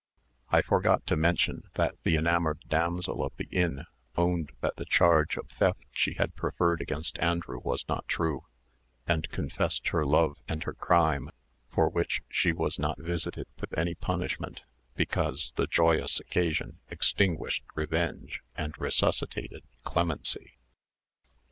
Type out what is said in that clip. I forgot to mention that the enamoured damsel of the inn owned that the charge of theft she had preferred against Andrew was not true, and confessed her love and her crime, for which she was not visited with any punishment, because the joyous occasion extinguished revenge and resuscitated clemency.